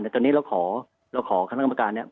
แต่ตอนนี้เราขอคณะกรรมการเนี่ย